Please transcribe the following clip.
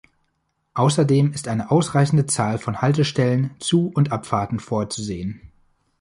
Außerdem ist eine ausreichende Zahl von Haltestellen, Zu- und Abfahrten vorzusehen.